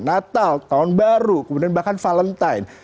natal tahun baru kemudian bahkan valentine